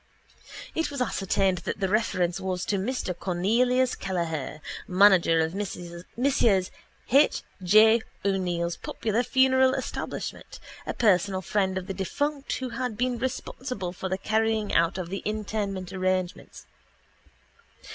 _ It was ascertained that the reference was to Mr Cornelius Kelleher, manager of Messrs H. J. O'Neill's popular funeral establishment, a personal friend of the defunct, who had been responsible for the carrying out of the interment arrangements.